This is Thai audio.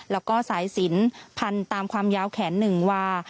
แล้วก็สายสินพันตามความยาวแขน๑วา